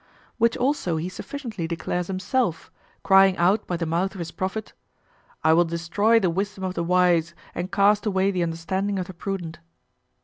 Which also he sufficiently declares himself, crying out by the mouth of his prophet, "I will destroy the wisdom of the wise, and cast away the understanding of the prudent."